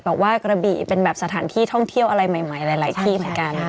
กระบี่เป็นแบบสถานที่ท่องเที่ยวอะไรใหม่หลายที่เหมือนกัน